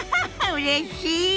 うれしい！